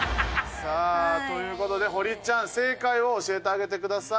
さあという事で堀ちゃん正解を教えてあげてください。